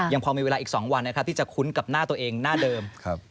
ยังพอมีเวลาอีก๒วันนะครับที่จะคุ้นกับหน้าตัวเองหน้าเดิม